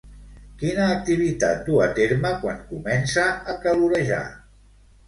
Quina activitat du a terme quan comença a calorejar?